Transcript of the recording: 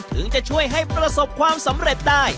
ถึงจะช่วยให้ประสบความสำเร็จได้